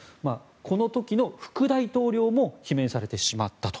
この時の副大統領も罷免されてしまったと。